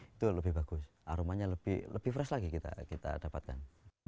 itu lebih bagus aromanya lebih fresh lagi kita dapatkan